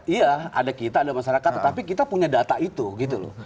iya ada kita ada masyarakat tetapi kita punya data itu gitu loh